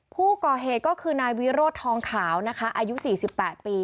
ผู้ก่อเหตุก็คือนายวิโรธทองขาวนะคะอายุ๔๘ปี